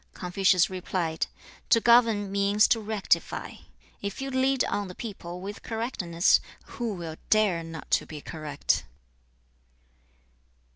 Confucius replied, 'To govern means to rectify. If you lead on the people with correctness, who will dare not to be correct?'